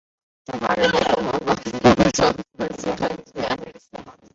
中华人民共和国副部长级官员。